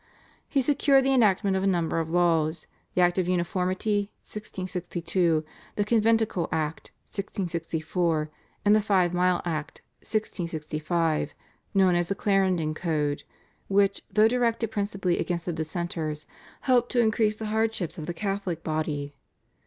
He secured the enactment of a number of laws, the Act of Uniformity (1662), the Conventicle Act (1664) and the Five Mile Act (1665) known as the Clarendon Code, which, though directed principally against the Dissenters, helped to increase the hardships of the Catholic body.